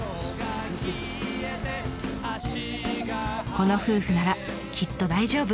この夫婦ならきっと大丈夫。